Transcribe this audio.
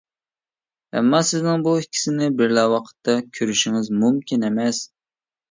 ئەمما سىزنىڭ بۇ ئىككىسىنى بىرلا ۋاقىتتا كۆرۈشىڭىز مۇمكىن ئەمەس.